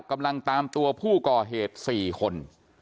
กำลังตามตัวผู้ก่อเหตุ๔คน